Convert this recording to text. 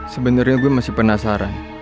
sebenernya gue masih penasaran